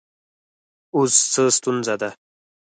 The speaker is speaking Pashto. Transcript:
اوس څه ستونزه ده